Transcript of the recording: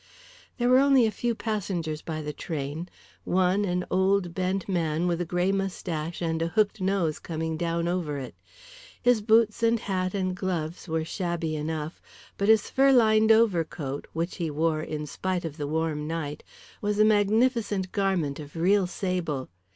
There were only a few passengers by the train, one an old bent man with a grey moustache and a hooked nose coming down over it. His boots and hat and gloves were shabby enough, but his fur lined overcoat, which he wore in spite of the warm night, was a magnificent garment of real sable.